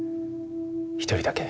一人だけ。